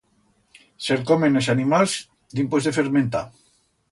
Se'l comen es animals dimpués de fermentar.